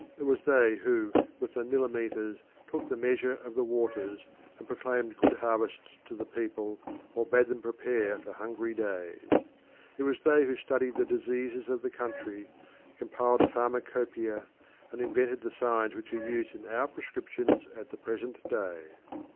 It was they who, with the nilometers, took the measure of the waters, and proclaimed good harvests to the people or bade them prepare for hungry days. It was they who studied the diseases of the country, compiled a pharmacopoeia, and invented the signs which are used in our prescriptions at the present day.